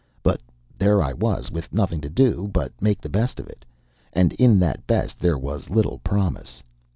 But there I was, with nothing to do but make the best of it, and in that best there was little promise.